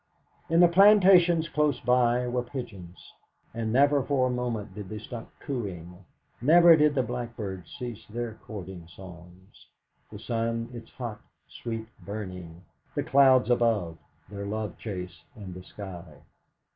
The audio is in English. In the plantations close by were pigeons, and never for a moment did they stop cooing; never did the blackbirds cease their courting songs; the sun its hot, sweet burning; the clouds above their love chase in the sky.